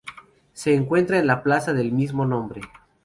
Se encuentra en la plaza del mismo nombre.